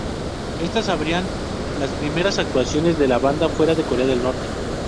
Estas habrían las primeras actuaciones de la banda fuera de Corea del Norte.